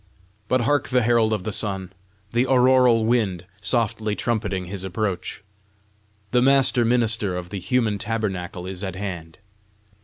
But hark the herald of the sun, the auroral wind, softly trumpeting his approach! The master minister of the human tabernacle is at hand!